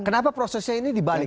kenapa prosesnya ini dibalik